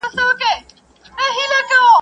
تمدنونه د پوهې په وسیله وده کوي